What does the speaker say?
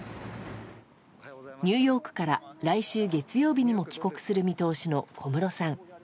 ニューヨークから来週月曜日にも帰国する見通しの小室さん。